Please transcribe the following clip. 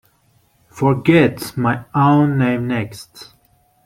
Forget my own name next.